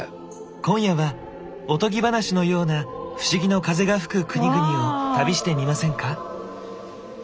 今夜はおとぎ話のような不思議の風が吹く国々を旅してみませんか？